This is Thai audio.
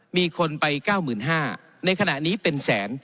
มีคนไป๙๕๐๐ในขณะนี้เป็นแสน